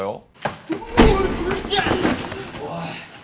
おい。